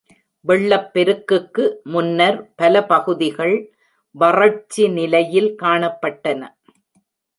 வெள்ளப்பெருக்குக்கு முன்னர் பல பகுதிகள் வறட்சி நிலையில் காணப்பட்டன.